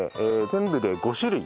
全部で５種類。